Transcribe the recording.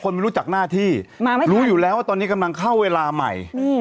ไม่รู้จักหน้าที่รู้อยู่แล้วว่าตอนนี้กำลังเข้าเวลาใหม่